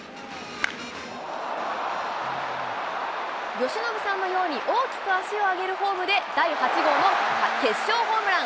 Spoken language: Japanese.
由伸さんのように大きく足を上げるフォームで、第８号の決勝ホームラン。